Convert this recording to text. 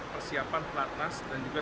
persiapan flatness dan juga